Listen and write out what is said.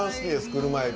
車エビ。